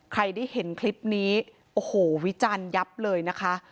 ใครได้เห็นคลิปนี้โอ้โหวิจารณ์ยับเลยนะคะ